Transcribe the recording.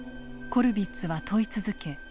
コルヴィッツは問い続け